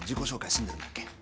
済んでるんだっけ？